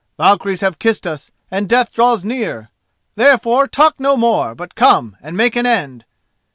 Valkyries have kissed us and death draws near. Therefore, talk no more, but come and make an end.